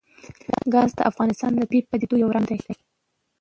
ګاز د افغانستان د طبیعي پدیدو یو رنګ دی.